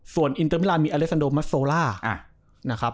ส่วนอินเตอร์มิรานด์มีอเลสซันโดมัสโซล่า